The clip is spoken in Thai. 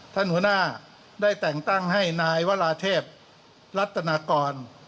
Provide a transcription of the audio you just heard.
ท่านหัวหน้าได้แต่งตั้งให้นายวราเทพรัตนากร